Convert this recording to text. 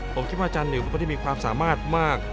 ผมคิดว่าอาจารย์เหนียวไม่ได้มีความสามารถมาก